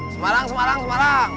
semarang semarang semarang